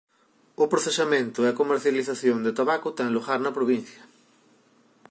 O procesamento e comercialización de tabaco ten lugar na provincia.